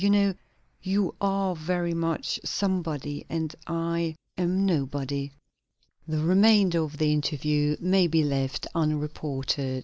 You know, you are very much Somebody; and I am Nobody." The remainder of the interview may be left unreported.